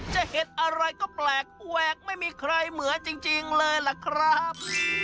จะเห็นอะไรก็แปลกแหวกไม่มีใครเหมือนจริงเลยล่ะครับ